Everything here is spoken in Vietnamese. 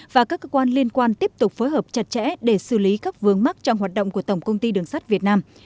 và các cơ quan liên quan tiếp tục phối hợp chặt chẽ để xử lý các vướng mắc trong hoạt động của tổng công ty đường sắt việt nam